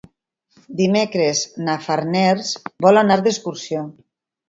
Dimecres na Farners vol anar d'excursió.